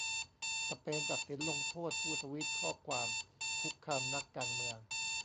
สเปนตัดสินลงโทษผู้ทวีตข้อความคุกคามนักการเมือง